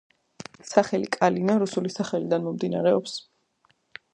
სახელი კალინა რუსული სახელიდან მომდინარეობს.